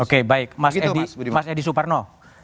oke baik mas edi suparno